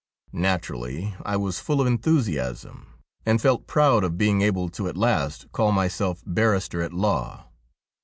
Naturally I was full of enthusiasm, and felt proud of being able to at last call myself barrister at law.